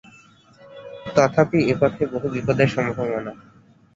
তথাপি এ পথে বহু বিপদের সম্ভাবনা।